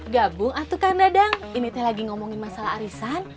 gabung atuh kang dadang ini teh lagi ngomongin masalah arisan